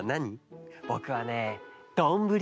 ぼくはねどんぶり。